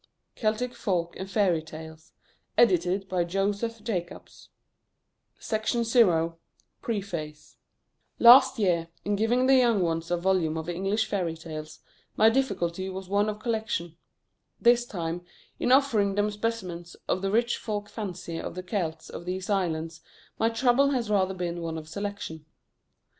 P. PUTNAM'S SONS NEW YORK AND LONDON To ALFRED NUTT Preface Last year, in giving the young ones a volume of English Fairy Tales, my difficulty was one of collection. This time, in offering them specimens of the rich folk fancy of the Celts of these islands, my trouble has rather been one of selection.